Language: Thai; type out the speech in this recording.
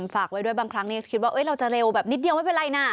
ฝากไว้ด้วยบางครั้งคิดว่าเราจะเร็วแบบนิดเดียวไม่เป็นไรนะ